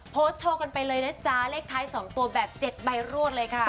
โพสต์โชว์กันไปเลยนะจ๊ะเลขท้าย๒ตัวแบบ๗ใบรวดเลยค่ะ